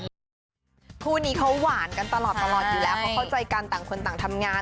คู่นี้เขาหวานกันตลอดอยู่แล้วเพราะเข้าใจกันต่างคนต่างทำงาน